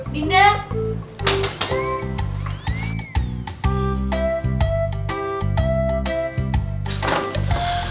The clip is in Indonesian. dudukkan gitu dong